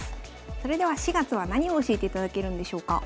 それでは４月は何を教えていただけるんでしょうか？